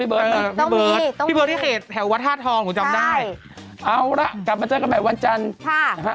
มีพี่เบิร์ตไปไหมต้องไปสัมภาพพี่เบิร์ต